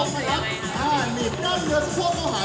กับนังว่าขอบค่า